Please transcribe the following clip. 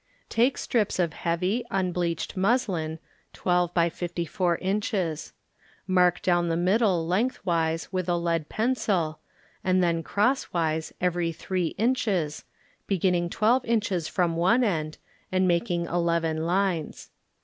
Take strips of heavy, unbleached muslin, 12x54 inches. Mark down the middle lengthwise with a lead pencil, and then crosswise every three inches, beginning twelve inches from one end and making eleven lines.